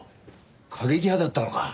過激派だったのか。